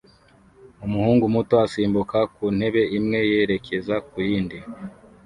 Umuhungu muto asimbuka ku ntebe imwe yerekeza ku yindi